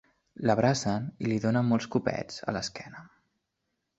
L'abracen i li donen molts copets a l'esquena.